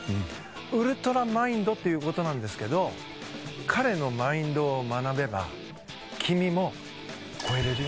ウルトラマインド」という事なんですけど彼のマインドを学べば。